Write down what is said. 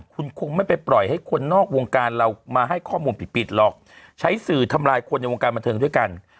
คุณคงไม่ไปปล่อยให้คนนอกวงการเรามาให้ข้อมูลผิดหรอกใช้สื่อทำลายคนในวงการบันเทิงด้วยกัน